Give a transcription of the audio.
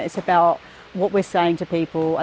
ini bukan hanya sebuah perempuanan